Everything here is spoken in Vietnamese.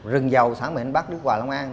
rừng dầu xã mệnh bắc đức hòa long an